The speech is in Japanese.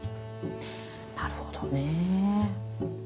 なるほどね。